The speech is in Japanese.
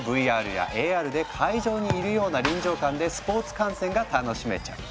ＶＲやＡＲで会場にいるような臨場感でスポーツ観戦が楽しめちゃう。